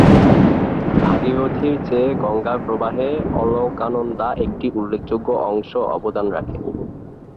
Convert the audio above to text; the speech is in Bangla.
ভাগীরথীর চেয়ে গঙ্গার প্রবাহে অলকানন্দা একটি উল্লেখযোগ্য অংশ অবদান রাখে।